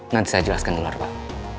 nanti saya jelaskan dulu pak